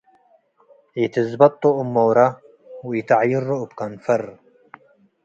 ኢትዝበጦ እብ ሞራ - ወኢተዐይሮ እብ ከንፈር